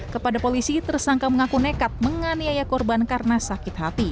kepada polisi tersangka mengaku nekat menganiaya korban karena sakit hati